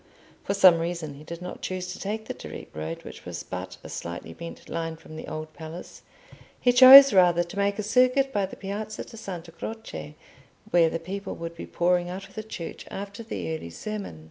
For some reason, he did not choose to take the direct road, which was but a slightly bent line from the Old Palace; he chose rather to make a circuit by the Piazza di Santa Croce, where the people would be pouring out of the church after the early sermon.